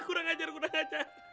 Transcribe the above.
kurang ajar kurang ajar